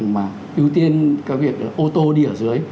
mà ưu tiên cái việc ô tô đi ở dưới